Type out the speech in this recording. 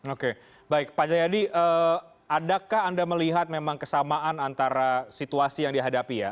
oke baik pak jayadi adakah anda melihat memang kesamaan antara situasi yang dihadapi ya